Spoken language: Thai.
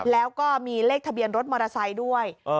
แล้วก็มีเลขทะเบียนรถมอเตอร์ไซค์ด้วย